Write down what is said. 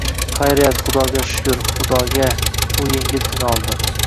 -Hayriyat, xudoga shukr, xudoga. – U yengil tin oldi.